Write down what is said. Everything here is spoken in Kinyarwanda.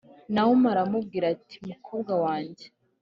Nawomi aramubwira ati mukobwa wanjye